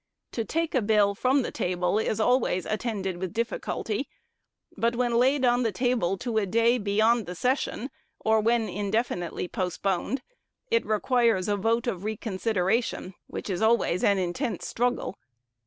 To take a bill from the table is always attended with difficulty; but when laid on the table to a day beyond the session, or when indefinitely postponed, it requires a vote of reconsideration, which always is an intense struggle.